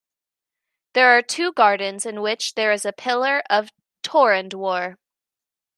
There are two gardens in which there is a pillar of torandwar.